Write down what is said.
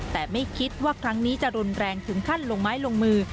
แต่ไม่คิดว่าครั้งนี้จะรุนแรงถึงขั้นลงไม้ลงมือ